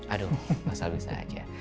aduh masa abis aja